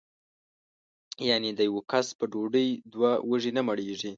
یعنې د یوه کس په ډوډۍ دوه وږي نه مړېږي.